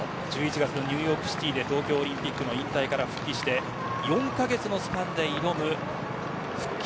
ニューヨークシティで東京オリンピックの引退から復帰し４カ月のスパンで挑む復帰